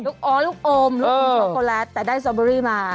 อ๋อลูกอมลูกอมช็อกโกแลตแต่ได้สตอเบอรี่มา